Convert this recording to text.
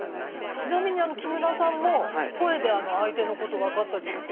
ちなみに木村さんも声で相手のこと分かったりとか。